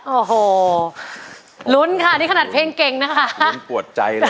โอ้โหรุ้นค่ะขนาดเพลงเก่งนะคะ